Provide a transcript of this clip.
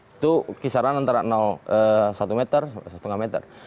itu kisaran antara satu meter setengah meter